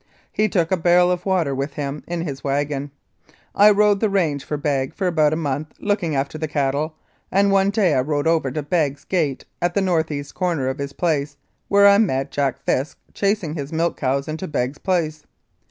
He took a barrel of water with him in his wagon. I rode the range for Begg for about a month looking after the cattle, and one day I rode over to Begg's gate at the N.E. corner of his place, where I met Jack Fisk chasing his milk cows into Begg's place.